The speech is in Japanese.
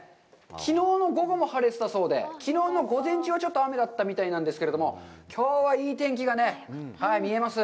きのうの午後も晴れてたそうで、きのうの午前中はちょっと雨だったみたいなんですけれども、きょうはいい天気が見えます。